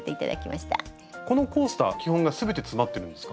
このコースター基本が全て詰まってるんですか？